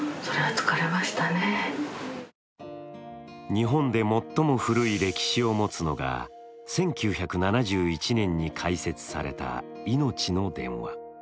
日本で最も古い歴史を持つのが１９７１年に開設されたいのちの電話。